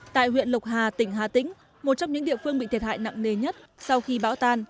tại huyện lộc hà tỉnh hà tĩnh một trong những địa phương bị thiệt hại nặng nề nhất sau khi bão tan